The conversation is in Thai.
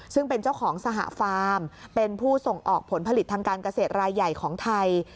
ซึ่งเป็นเจ้าของสหฟาร์มเป็นผู้ส่งออกผลผลิตทางการเกษตรรายใหญ่ของไทย